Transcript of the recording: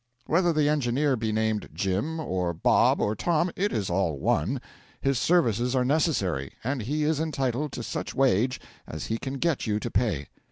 Whether the engineer be named Jim, or Bob, or Tom, it is all one his services are necessary, and he is entitled to such wage as he can get you to pay.